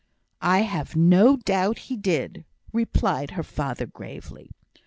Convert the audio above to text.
"I have no doubt he did," replied her father, gravely.